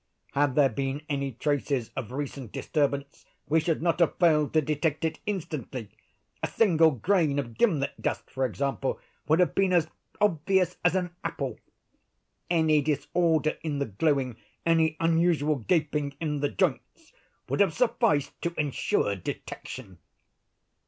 Had there been any traces of recent disturbance we should not have failed to detect it instantly. A single grain of gimlet dust, for example, would have been as obvious as an apple. Any disorder in the glueing—any unusual gaping in the joints—would have sufficed to insure detection."